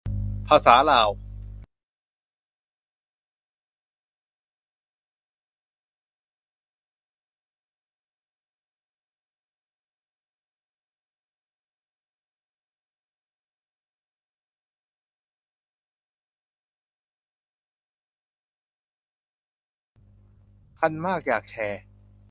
คันมากอยากแชร์